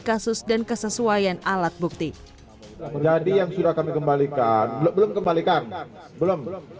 kasus dan kesesuaian alat bukti menjadi yang sudah kami kembalikan belum kembalikan belum